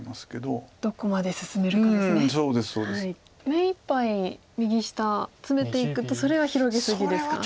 目いっぱい右下ツメていくとそれは広げ過ぎですか？